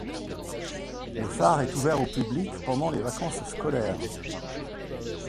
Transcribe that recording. Le phare est ouvert au public pendant les vacances scolaires.